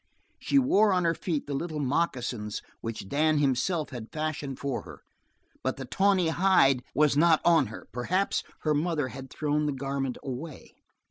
She wore on her feet the little moccasins which Dan himself had fashioned for her, but the tawny hide was not on her perhaps her mother had thrown the garment away.